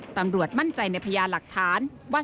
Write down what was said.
ตัดสินใจในพญาหลักฐานว่า